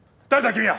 君は！